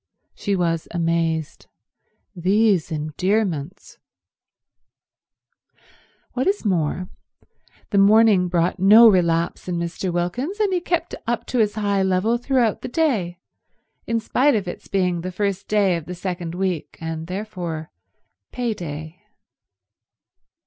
She was amazed. These endearments ... What is more, the morning brought no relapse in Mr. Wilkins, and he kept up to his high level through out the day, in spite of its being the first day of the second week, and therefore pay day.